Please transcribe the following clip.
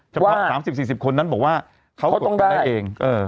๓๐๔๐คนนั้นบอกว่าเขาตกกันได้เอง